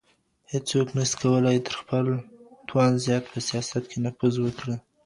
هيڅوک نسي کولای تر خپل توان زيات په سياست کي نفوذ وکړي.